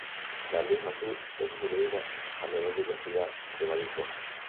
La luz azul es disminuida a menor velocidad que la luz roja.